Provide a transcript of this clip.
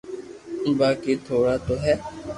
باقي ٿوڙا تو ھي